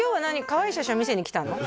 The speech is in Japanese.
かわいい写真を見せに来たの？